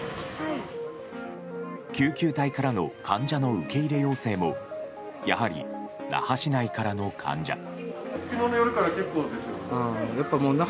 救急隊からの患者の受け入れ要請もやはり、那覇市内からの患者。